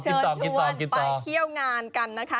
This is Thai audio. เชิญชวนไปเที่ยวงานกันนะคะ